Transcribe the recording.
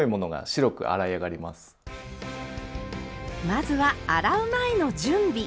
まずは洗う前の準備。